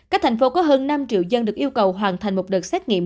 các thành phố có hơn năm triệu dân được yêu cầu hoàn thành một đợt xét nghiệm